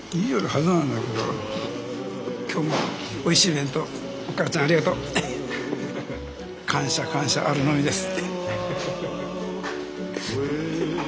今日もおいしい弁当お母ちゃんありがとう。感謝感謝あるのみです。